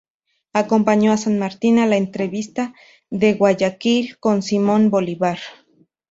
Acompañó a San Martín a la entrevista de Guayaquil con Simón Bolívar.